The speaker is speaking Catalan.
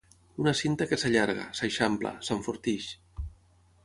Una cinta que s'allarga, s'eixampla, s'enforteix.